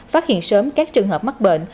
phát hiện sớm các trường hợp mắc bệnh